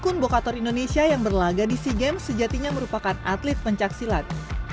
atlet kun bokator indonesia yang berlaga di sea games sejatinya merupakan atlet pencak silat